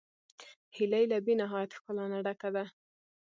هیلۍ له بېنهایت ښکلا نه ډکه ده